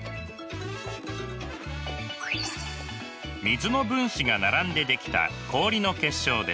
水の分子が並んで出来た氷の結晶です。